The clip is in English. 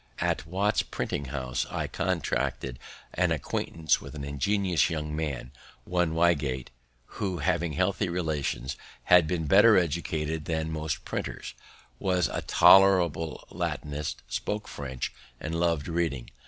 At Watts's printing house I contracted an acquaintance with an ingenious young man, one Wygate, who, having wealthy relations, had been better educated than most printers; was a tolerable Latinist, spoke French, and lov'd reading.